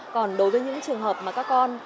còn đối với những trường hợp mà các con